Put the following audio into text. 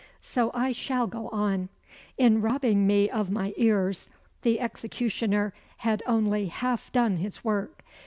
So I shall go on. In robbing me of my ears, the executioner had only half done his work.